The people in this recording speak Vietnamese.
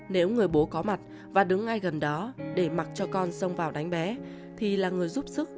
nếu người bố có mặt và đứng ngay gần đó để mặc cho con xông vào đánh bé thì là người giúp sức ủng hộ về tinh thần